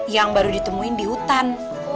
yang baru ditemuin di hutan